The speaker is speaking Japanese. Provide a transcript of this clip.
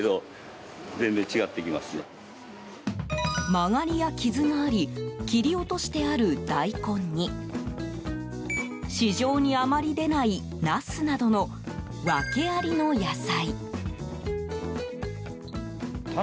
曲がりや傷があり切り落としてある大根に市場にあまり出ないナスなどの訳ありの野菜。